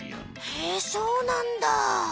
へえそうなんだ。